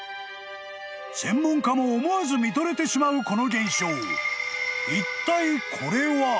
［専門家も思わず見とれてしまうこの現象］